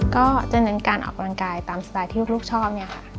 ก็จะเน้นการออกกำลังกายตามสไตล์ที่ลูกชอบเนี่ยค่ะ